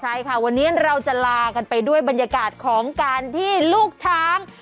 ใช่ค่ะวันนี้เราจะลากันไปด้วยบรรยากาศของการที่ลูกช้าง